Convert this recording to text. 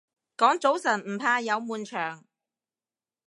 講早晨唔怕有悶場